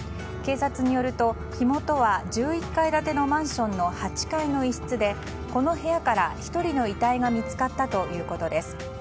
警察によると火元は１１階建てのマンションの８階の一室でこの部屋から１人の遺体が見つかったということです。